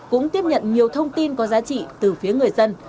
cũng tiếp nhận nhiều thông tin có giá trị từ phía người dân